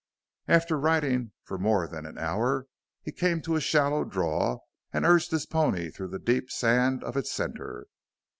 After riding for more than an hour he came to a shallow draw and urged his pony through the deep sand of its center.